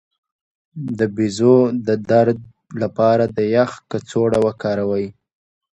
د بیضو د درد لپاره د یخ کڅوړه وکاروئ